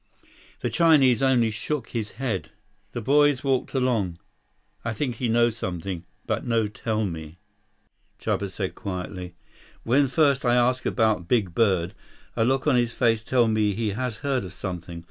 The Chinese only shook his head. The boys walked along. "I think he know something, but no tell me," Chuba said quietly. "When first I ask about big bird, a look on his face tell me he has heard of something.